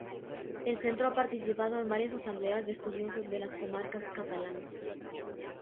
El Centro ha participado en varias asambleas de estudiosos de las comarcas catalanas.